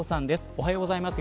おはようございます。